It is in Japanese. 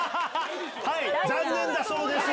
はい「残念」だそうです。